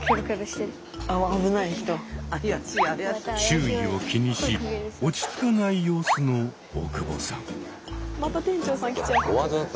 周囲を気にし落ち着かない様子の大久保さん。